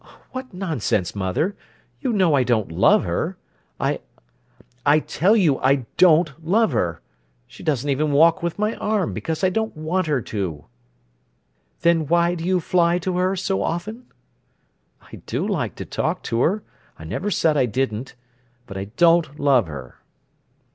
"What nonsense, mother—you know I don't love her—I—I tell you I don't love her—she doesn't even walk with my arm, because I don't want her to." "Then why do you fly to her so often?" "I do like to talk to her—I never said I didn't. But I don't love her."